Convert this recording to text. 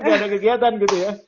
gak ada kegiatan gitu ya